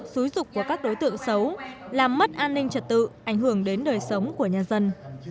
xúi dục của các đối tượng xấu làm mất an ninh trật tự ảnh hưởng đến đời sống của nhân dân